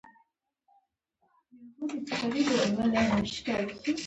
لیکنه : الهام شریفي